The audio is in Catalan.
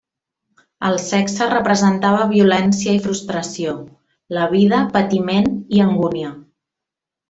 El sexe representava violència i frustració, la vida, patiment i angúnia.